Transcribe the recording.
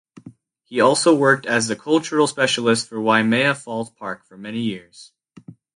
He also worked as the cultural specialist for Waimea Falls Park for many years.